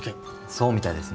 そうみたいですね。